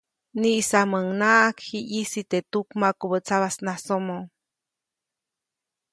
Niʼisamuŋnaʼak ji ʼyisi teʼ tuk makubä tsabasnasomo.